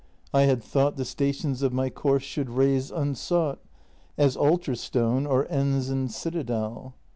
— I had thought The stations of my course should raise unsought, As altarstone or ensigned citadel.